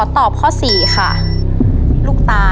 เมื่อแม่นางได้ออเดอร์เยอะ